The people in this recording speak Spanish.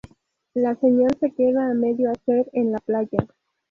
La señal se queda a medio hacer en la playa.